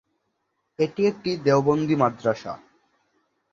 এটি একটি দেওবন্দি মাদ্রাসা।